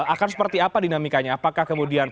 akan seperti apa dinamikanya apakah kemudian